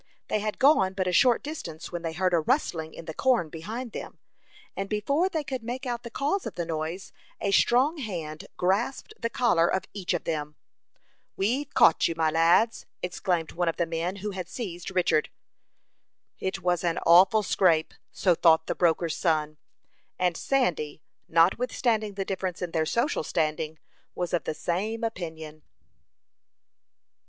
They had gone but a short distance when they heard a rustling in the corn behind them, and before they could make out the cause of the noise, a strong hand grasped the collar of each of them. "We've caught you, my lads!" exclaimed one of the men, who had seized Richard. It was an awful scrape: so thought the broker's son; and Sandy, notwithstanding the difference in their social standing, was of the same opinion.